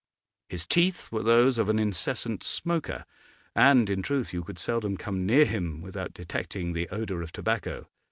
His teeth were those of an incessant smoker, and, in truth, you could seldom come near him without detecting the odour of tobacco.